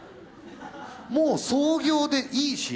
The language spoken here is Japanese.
もう「創業」でいいし。